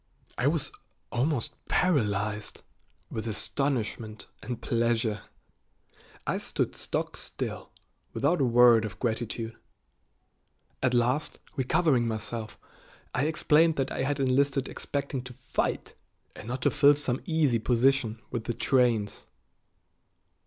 I was almost paralyzed with astonishment and pleasure. I stood stock still, without a word of gratitude. At last, recovering myself, I explained that I had enlisted expecting to fight, and not to fill some easy position with the trains.